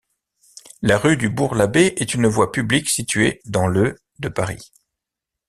La rue du Bourg-l'Abbé est une voie publique située dans le de Paris.